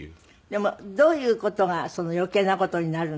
でもどういう事が余計な事になるんですかね？